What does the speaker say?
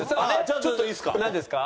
ちょっといいですか？